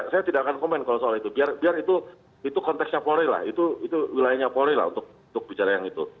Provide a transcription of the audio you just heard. saya tidak akan komen kalau soal itu biar itu konteksnya polri lah itu wilayahnya polri lah untuk bicara yang itu